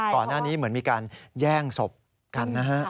ก่อนหน้านี้เหมือนมีการแย่งศพกันนะฮะ